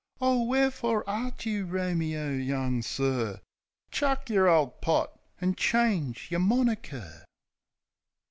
Oh, w'erefore art you Romeo, young sir? Chuck yer ole pot, an' change yer moniker !"